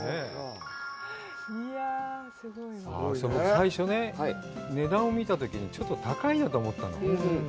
最初ね、値段を見たときにちょっと高いなと思ったの。